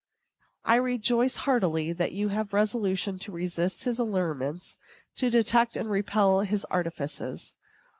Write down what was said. I rejoice, heartily, that you have had resolution to resist his allurements, to detect and repel his artifices.